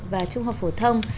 và trung học phổ thông